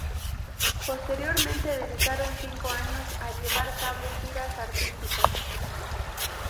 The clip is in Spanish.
Posteriormente dedicaron cinco años a llevar cabo giras artísticas.